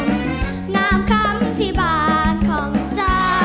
น้ำคำที่บ้านของจ้า